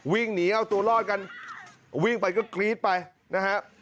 วิ่งหนีเอาตัวรอดกันวิ่งไปก็กรี๊ดไปนะฮะ